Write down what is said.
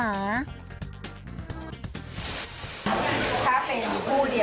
ถ้าเป็นผู้เดียวถูกโบถ่อให้จบเป็นยะตรี